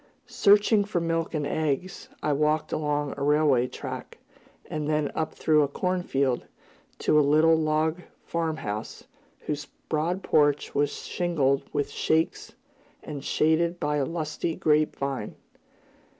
Searching for milk and eggs, I walked along a railway track and then up through a cornfield, to a little log farm house, whose broad porch was shingled with "shakes" and shaded by a lusty grape vine.